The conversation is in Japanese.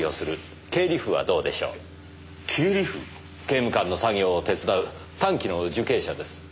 刑務官の作業を手伝う短期の受刑者です。